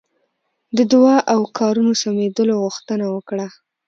د دعا او کارونو سمېدلو غوښتنه وکړه.